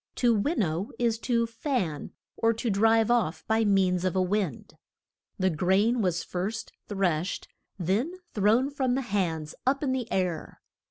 To win now is to fan, or to drive off by means of a wind. The grain was first threshed, then thrown from the hands up in the air.